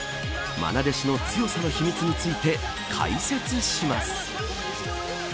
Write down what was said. まな弟子の強さの秘密について解説します。